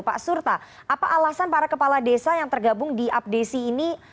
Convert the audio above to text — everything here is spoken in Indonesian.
pak surta apa alasan para kepala desa yang tergabung di apdesi ini